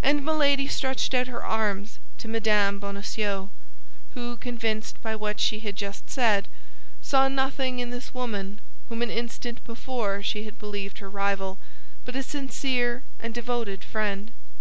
And Milady stretched out her arms to Mme. Bonacieux, who, convinced by what she had just said, saw nothing in this woman whom an instant before she had believed her rival but a sincere and devoted friend.